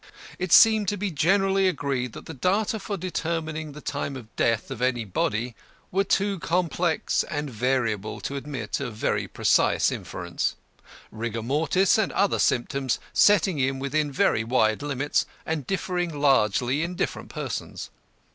It seemed to be generally agreed that the data for determining the time of death of any body were too complex and variable to admit of very precise inference; rigor mortis and other symptoms setting in within very wide limits and differing largely in different persons.